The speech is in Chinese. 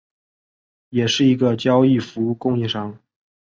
也是一个交易服务供应商。